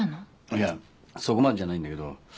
いやそこまでじゃないんだけど。